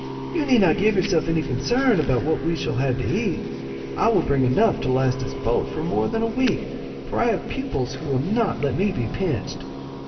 You need not give yourself any concern about what we shall have to eat. I will bring enough to last us both for more than a week, for I have pupils who will not let me be pinched."